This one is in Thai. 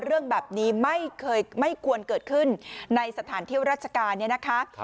เรื่องแบบนี้ไม่เคยไม่ควรเกิดขึ้นในสถานที่ราชการเนี่ยนะคะ